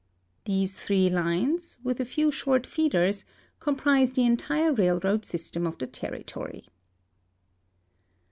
These three lines, with a few short feeders, comprise the entire raih'oad system of the territory.